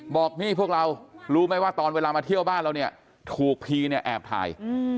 บอกนี่พวกเรารู้ไหมว่าตอนเวลามาเที่ยวบ้านเราเนี่ยถูกพีเนี่ยแอบถ่าย